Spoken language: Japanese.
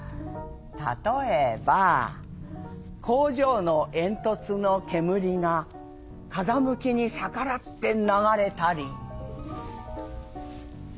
例えば工場の煙突の煙が風向きに逆らって流れたり」。